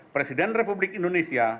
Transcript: presiden republik indonesia